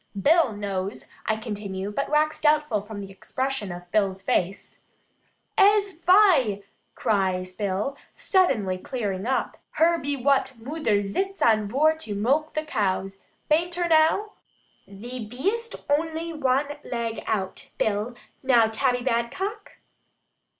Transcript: Bill knows," I continue, but wax doubtful from the expression of Bill's face. "Ees fai," cries Bill, suddenly clearing up, "her be wutt moother zits on vor to mulk the coos. Bain't her now?" "Thee bee'st ony wan leg out, Bill. Now Tabby Badcock?"